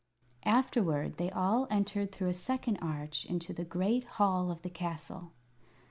Afterward they all entered through a second arch into the great hall of the castle.